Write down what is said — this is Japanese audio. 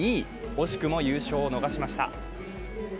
惜しくも優勝を逃しました。